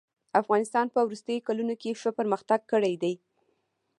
افغانستان په وروستيو کلونو کښي ښه پرمختګ کړی دئ.